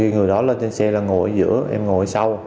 người đó lên trên xe là ngồi ở giữa em ngồi ở sau